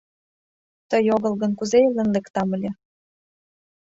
— Тый огыл гын, кузе илен лектам ыле?..